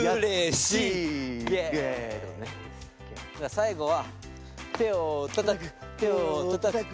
最後は手をたたく手をたたく。